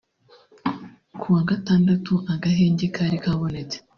Kuwa Gatandatu agahenge kari kabonetse